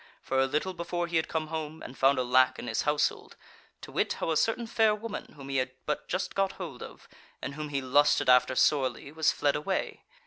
For a little before he had come home, and found a lack in his household to wit, how a certain fair woman whom he had but just got hold of, and whom he lusted after sorely, was fled away.